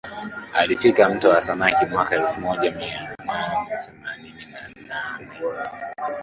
Alifika mto wa samaki mwaka elfu moja mia nne themanini na nane